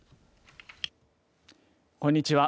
こんにちは。